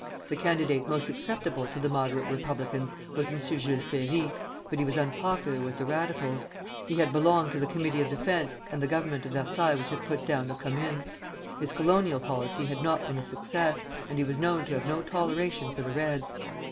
The candidate most acceptable to the Moderate Republicans was M. Jules Ferry, but he was unpopular with the Radicals. He had belonged to the Committee of Defence and the Government of Versailles which had put down the Commune. His colonial policy had not been a success, and he was known to have no toleration for the Reds.